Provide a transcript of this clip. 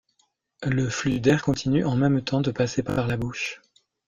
Le flux d'air continue en même temps de passer par la bouche.